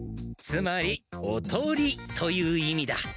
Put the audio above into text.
つまりおとりという意味だ。